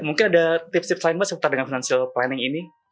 mungkin ada tips tips lain mbak seputar dengan financial planning ini